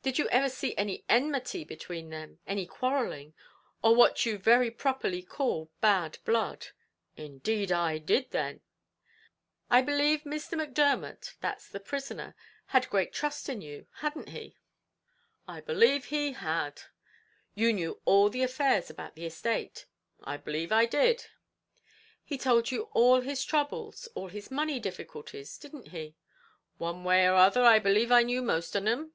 "Did you ever see any enmity between them any quarrelling or what you very properly call bad blood?" "Indeed I did then." "I b'lieve Mr. Macdermot that's the prisoner had great trust in you; hadn't he?" "I believe he had." "You knew all the affairs about the estate?" "I b'lieve I did." "He told you all his troubles all his money difficulties, didn't he?" "One way or other, I b'lieve I knew the most on 'em."